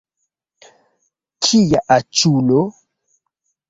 Kia aĉulo!